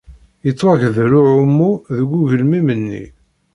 Yettwagdel uɛumu deg ugelmim-nni.